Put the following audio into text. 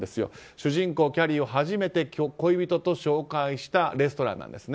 主人公キャリーを初めて恋人と紹介したレストランなんです。